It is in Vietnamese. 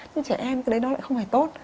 nhưng trẻ em cái đấy nó lại không hề tốt